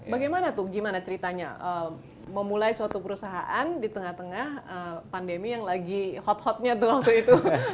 bagaimana tuh gimana ceritanya memulai suatu perusahaan di tengah tengah pandemi yang lagi hot hotnya tuh waktu itu